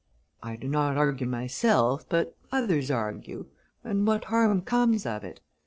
I do not argue myself, but others argue, and what harm comes of it?